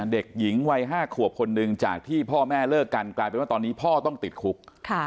เด็กหญิงวัย๕ขวบคนหนึ่งจากที่พ่อแม่เลิกกันกลายเป็นว่าตอนนี้พ่อต้องติดคุก